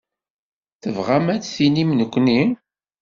Tebɣam ad d-tinim nekkni?